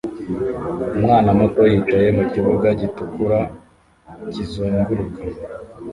Umwana muto yicaye mukibuga gitukura kizunguruka